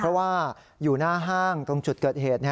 เพราะว่าอยู่หน้าห้างตรงจุดเกิดเหตุ